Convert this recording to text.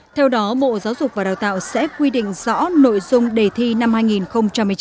theo đó bộ giáo dục và đào tạo sẽ quy định rõ nội dung đề thi năm hai nghìn một mươi chín